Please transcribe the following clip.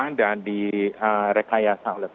dan nii yang tidak asli biasanya ini memang di kelola